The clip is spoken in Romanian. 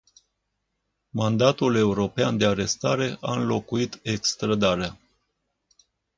Mandatul european de arestare a înlocuit extrădarea.